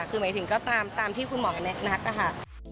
คือหมายถึงก็ตามที่คุณหมอแนะนำนะคะ